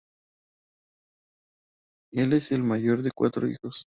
Él es el mayor de cuatro hijos.